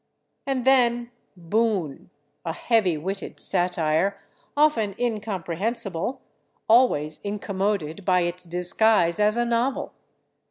And then "Boon," a heavy witted satire, often incomprehensible, always incommoded by its disguise as a novel.